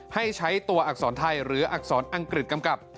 ให้ใช้ตัวอักษรไทยหรืออักษรอังกฤษกำกับ